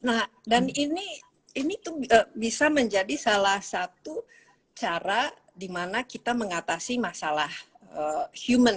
nah dan ini tuh bisa menjadi salah satu cara dimana kita mengatasi masalah human